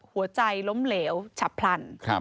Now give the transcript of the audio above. หัวใจล้มเหลวฉับพลัน